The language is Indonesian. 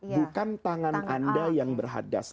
bukan tangan anda yang berhadas